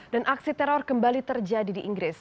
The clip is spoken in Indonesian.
dan aksi teror kembali terjadi di inggris